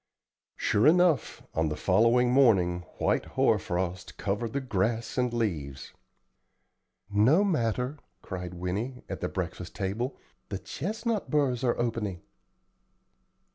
Sure enough, on the following morning white hoar frost covered the grass and leaves. "No matter," cried Winnie, at the breakfast table; "the chestnut burrs are opening."